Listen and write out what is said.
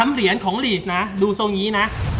เหรียญของลีสนะดูทรงนี้นะ